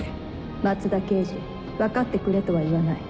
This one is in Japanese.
松田刑事分かってくれとは言わない。